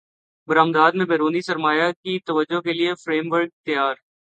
برامدات میں بیرونی سرمایہ کی توجہ کیلئے فریم ورک تیار